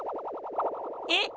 えっ。